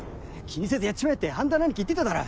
気にせずやっちまえって般田のアニキ言ってただろ。